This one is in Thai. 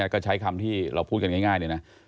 ก็ใช้คำที่เราพูดกันง่ายเลยนะ